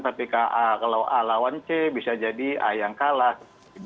tapi ke a kalau a lawan c bisa jadi a yang kalah